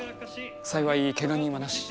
幸いけが人はなし。